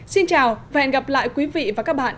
xin chào và hẹn gặp lại quý vị và các bạn